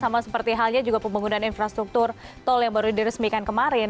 sama seperti halnya juga pembangunan infrastruktur tol yang baru diresmikan kemarin